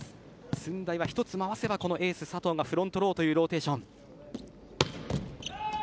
駿台は１つ回せばこのエース・佐藤がフロントローというローテーション。